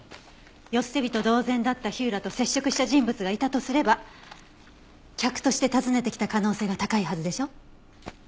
世捨て人同然だった火浦と接触した人物がいたとすれば客として訪ねてきた可能性が高いはずでしょ？